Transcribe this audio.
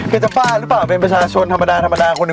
แกจะปล้าหรือเปล่าเป็นประชาชนธรรมดาคนอื่น